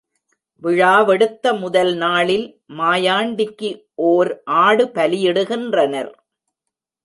விழாவெடுத்த முதல் நாளில் மாயாண்டிக்கு ஓர் ஆடு பலியிடுகின்றனர்.